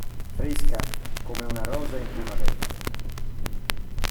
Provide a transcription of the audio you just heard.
Fresca come una rosa in primavera.